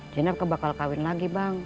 jenat akan bakal kawin lagi bang